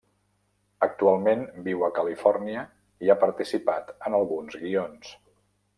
Actualment viu a Califòrnia i ha participat en alguns guions.